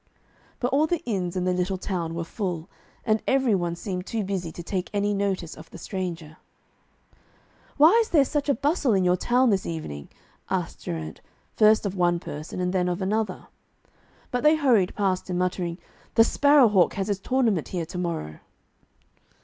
But all the inns in the little town were full, and every one seemed too busy to take any notice of the stranger. 'Why is there such a bustle in your town this evening?' asked Geraint, first of one person and then of another. But they hurried past him, muttering, 'The Sparrow hawk has his tournament here to morrow.'